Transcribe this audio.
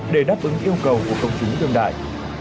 để đáp ứng yêu cầu của công chúng đương đại